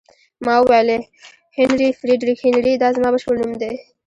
ما وویل: هنري، فرېډریک هنري، دا زما بشپړ نوم دی.